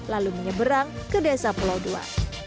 lalu menyeberang ke desa pulau dua